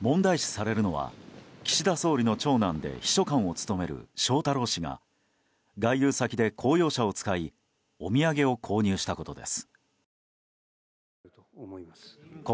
問題視されるのは岸田総理の長男で秘書官を務める翔太郎氏が外遊先で公用車を使いお土産を購入したことです。